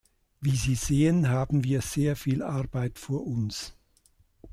Wie Sie sehen, haben wir sehr viel Arbeit vor uns.